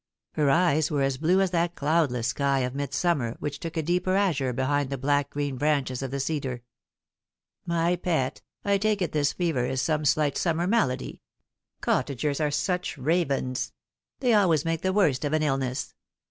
Her eyes were as blue as that cloudless sky of midsummer which took a deeper azure behind the black green branches of the cedar. " My pet, I take it this fever is some slight summer malady. Cottagers are such ravens. They always make the worst of i;a illness."